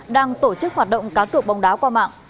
đang tổ chức hoạt động cá cược bóng đá qua mạng